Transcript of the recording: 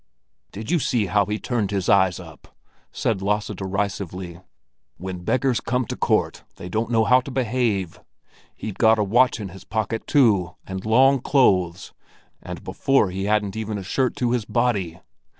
"Did you see how he turned his eyes up?" said Lasse derisively. "When beggars come to court, they don't know how to behave! He'd got a watch in his pocket, too, and long clothes; and before he hadn't even a shirt to his body.